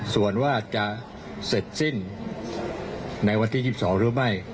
ส่วนว่าจะเสร็จสิ้นในวันที่๒๒หรือไม่